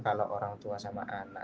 kalau orang tua sama anak